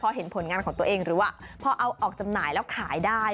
พอเห็นผลงานของตัวเองหรือว่าพอเอาออกจำหน่ายแล้วขายได้